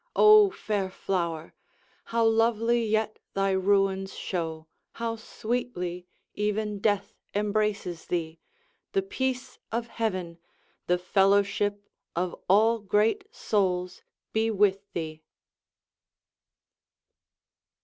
O fair flower, How lovely yet thy ruins show, how sweetly Even death embraces thee! the peace of Heaven, The fellowship of all great souls, be with thee!